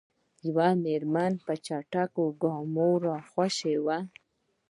یوه میرمن په چټکو ګامونو راخوشې وه.